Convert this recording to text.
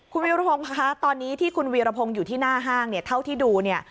คุณวีรพงศ์คะตอนนี้ที่คุณวีรพงศ์อยู่ที่หน้าห้างเนี่ยเท่าที่ดูเนี่ย